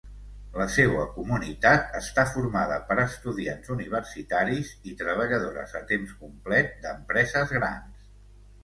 La seua comunitat està formada per estudiants universitaris i treballadores a temps complet d'empreses grans.